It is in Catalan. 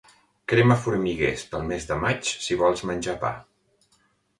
Crema formiguers pel mes de maig si vols menjar pa.